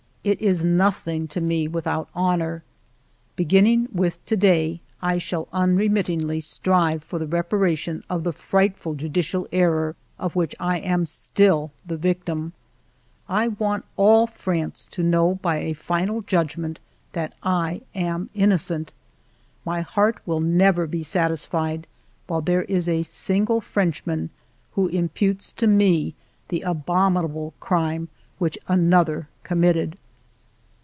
It is nothing to me without honor. Beginning with to day, I shall unremit tingly strive for the reparation of the frightful judicial error of which I am still the victim. " I want all France to know by a final judg ment that I am innocent. My heart will never be satisfied while there is a single Frenchman who imputes to me the abominable crime which another committed."